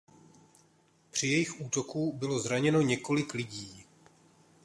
Při jejich útoku bylo zraněno několik lidí.